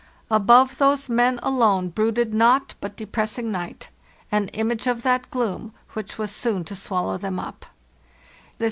Above those men alone brooded nought but depressing night—an image of that gloom which was soon to swallow them up.